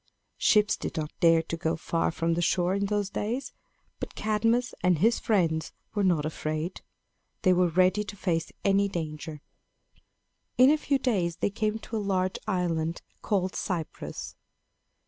Ships did not dare to go far from the shore in those days. But Cadmus and his friends were not afraid. They were ready to face any danger. In a few days they came to a large island called Cyprus.